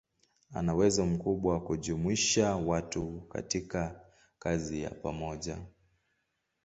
Ana uwezo mkubwa wa kujumuisha watu katika kazi ya pamoja.